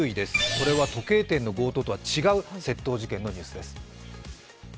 これは時計店の強盗とは違う窃盗事件のニュースてす。